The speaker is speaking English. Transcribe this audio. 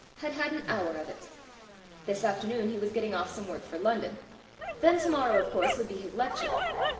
Had had an hour of it." This afternoon he was getting off some work for London. Then to morrow, of course, would be his lec ture.